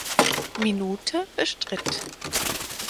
Minute bestritt.